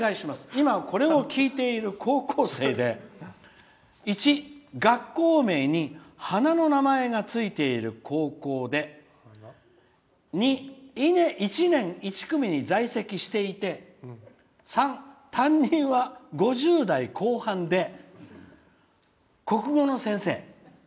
今、これを聞いている高校生で１、学校名に花の名前が付いている高校で２、１年１組に在籍していて３、担任は５０代後半で国語の先生。